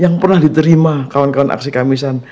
yang pernah diterima kawan kawan aksi kamisan